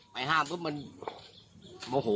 ไปห้ามปุ๊บมันโมโหอ่ะ